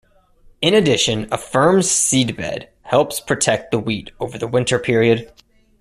In addition, a firm seedbed helps protect the wheat over the winter period.